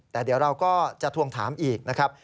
แต่เดี๋ยวเราก็จะทวงถามอีกนะครับ